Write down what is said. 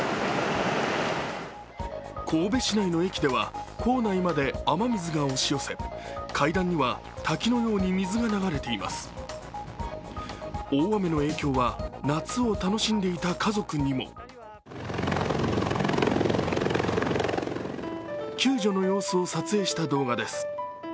神戸市内の駅では構内まで雨水が押し寄せ階段には滝のように水が流れています大雨の影響は夏を楽しんでいた家族にも救助の様子を撮影した動画です。